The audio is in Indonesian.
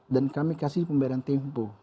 dan kami kasih pembayaran tempo